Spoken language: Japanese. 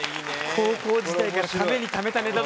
高校時代からためにためたネタだった。